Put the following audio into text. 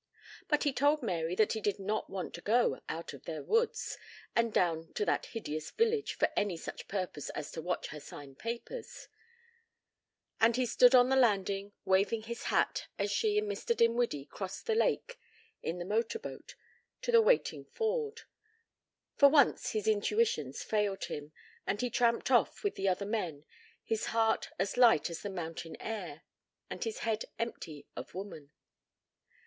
But he told Mary that he did not want to go out of their woods and down to that hideous village for any such purpose as to watch her sign papers, and he stood on the landing waving his hat as she and Mr. Dinwiddie crossed the lake in the motor boat to the waiting Ford. For once his intuitions failed him, and he tramped off with the other men, his heart as light as the mountain air, and his head empty of woman.